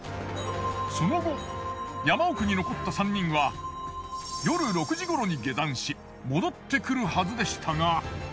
その後山奥に残った３人は夜６時頃に下山し戻ってくるはずでしたが。